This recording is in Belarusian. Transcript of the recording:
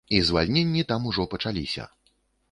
І звальненні там ужо пачаліся.